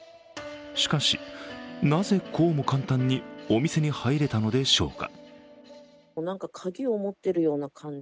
しかし、なぜこうも簡単にお店に入れたのでしょうか。